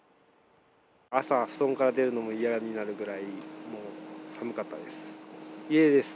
朝、布団から出るのも嫌になるぐらい、もう寒かったです。